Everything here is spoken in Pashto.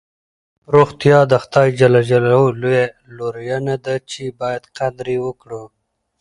روغتیا د خدای ج لویه لورینه ده چې باید قدر یې وکړو.